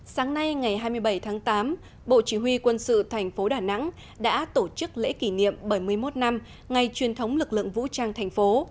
sáng nay ngày hai mươi bảy tháng tám bộ chỉ huy quân sự thành phố đà nẵng đã tổ chức lễ kỷ niệm bảy mươi một năm ngày truyền thống lực lượng vũ trang thành phố